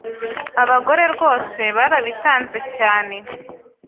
Abagore rwose barabitanze cyane.